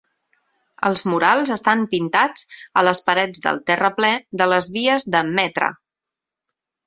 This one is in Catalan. Els murals estan pintats a les parets del terraplè de les vies de Metra.